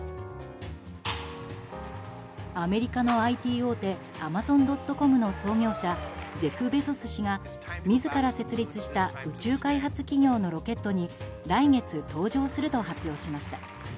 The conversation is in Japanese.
アメリカのＩＴ大手アマゾン・ドット・コムの創業者ジェフ・ベゾス氏が自ら設立した宇宙開発企業のロケットに来月、搭乗すると発表しました。